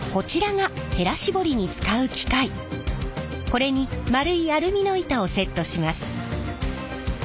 これに円いアルミの板をセットします。